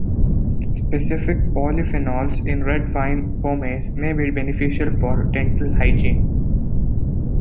Specific polyphenols in red wine pomace may be beneficial for dental hygiene.